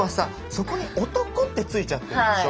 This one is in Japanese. そこに男ってついちゃってるでしょ。